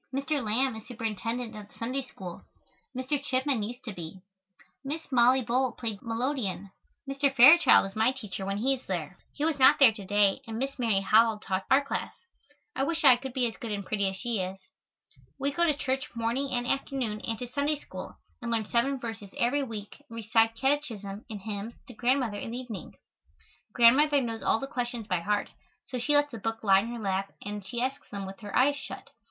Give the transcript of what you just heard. Mr. Lamb is Superintendent of the Sunday School. Mr. Chipman used to be. Miss Mollie Bull played the melodeon. Mr. Fairchild is my teacher when he is there. He was not there to day and Miss Mary Howell taught our class. I wish I could be as good and pretty as she is. We go to church morning and afternoon and to Sunday School, and learn seven verses every week and recite catechism and hymns to Grandmother in the evening. Grandmother knows all the questions by heart, so she lets the book lie in her lap and she asks them with her eyes shut.